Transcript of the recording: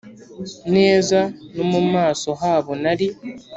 neza no mu maso h abo nari